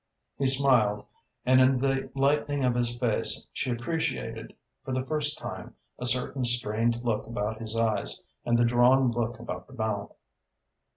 He smiled and in the lightening of his face she appreciated for the first time a certain strained look about his eyes and the drawn look about the mouth.